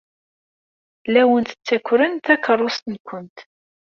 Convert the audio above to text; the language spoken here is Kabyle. La awent-ttakren takeṛṛust-nwent!